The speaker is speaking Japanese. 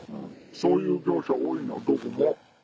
そういう業者多いのどこも。